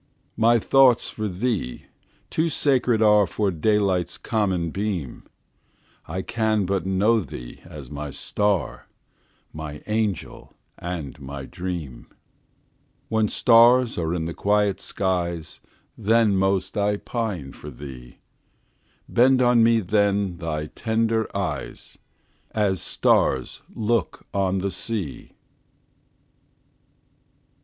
My thoughts of thee too sacred areFor daylight's common beam:I can but know thee as my star, My angel and my dream; When stars are in the quiet skies, Then most I pine for thee; Bend on me then thy tender eyes, As stars look on the sea!